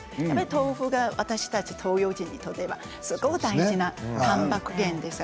豆腐が私たち東洋人にとってはすごく大事なたんぱく源です。